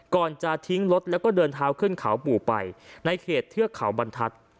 ก่อนจะทิ้งรถแล้วก็เดินเท้าขึ้นเขาปู่ไปในเขตเทือกเขาบรรทัศน์